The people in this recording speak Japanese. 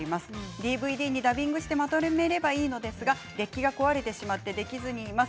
ＤＶＤにダビングしてまとめればいいのですが、デッキが壊れてしまってできずにいます。